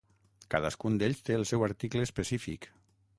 Cadascun d'ells té el seu article específic.